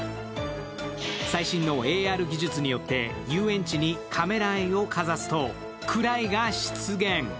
最新のＡＲ技術によって遊園地にカメラ・アイをかざすとクライが出現。